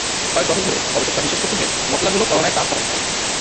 কয়েক দশক ধরে, গবেষকরা বিশ্বাস করত যে, মসলাগুলো করোনায় তাপ পাঠাতে পারে।